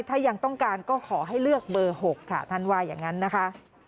ถ้ายังต้องการก็ขอให้เลือกเบอร์๖ค่ะท่านว่าอย่างนั้นนะคะ